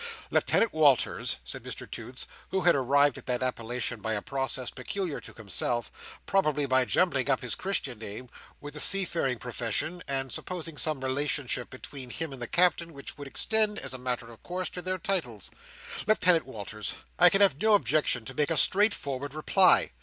"Lieutenant Walters," said Mr Toots, who had arrived at that appellation by a process peculiar to himself; probably by jumbling up his Christian name with the seafaring profession, and supposing some relationship between him and the Captain, which would extend, as a matter of course, to their titles; "Lieutenant Walters, I can have no objection to make a straightforward reply.